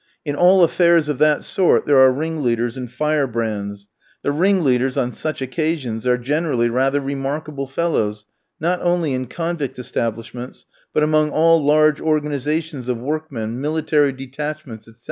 In all affairs of that sort there are ringleaders and firebrands. The ringleaders on such occasions are generally rather remarkable fellows, not only in convict establishments, but among all large organisations of workmen, military detachments, etc.